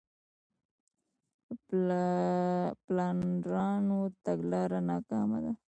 د پلانرانو تګلاره ناکامه ده.